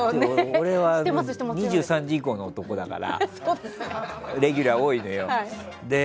俺は２３時以降のレギュラー多いのよ。